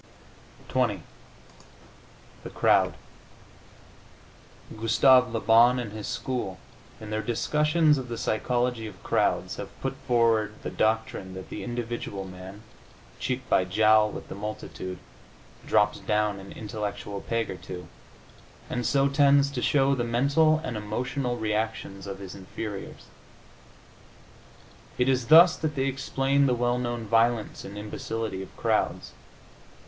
XX THE CROWD Gustave Le Bon and his school, in their discussions of the psychology of crowds, have put forward the doctrine that the individual man, cheek by jowl with the multitude, drops down an intellectual peg or two, and so tends to show the mental and emotional reactions of his inferiors. It is thus that they explain the well known violence and imbecility of crowds.